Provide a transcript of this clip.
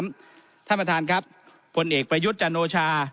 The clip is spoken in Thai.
ท่านประธานครับผลเอกประยุทธ์จันโอชา